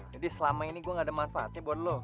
jadi selama ini gue enggak ada manfaatnya buat lo